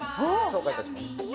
紹介いたします。